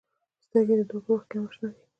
سترګې د دعا پر وخت هم اشنا دي